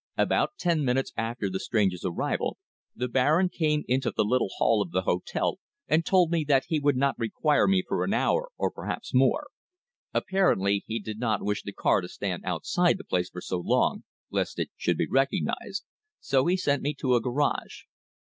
About ten minutes after the stranger's arrival the Baron came into the little hall of the hotel and told me that he would not require me for an hour, or perhaps more. Apparently he did not wish the car to stand outside the place for so long, lest it should be recognized. So he sent me to a garage."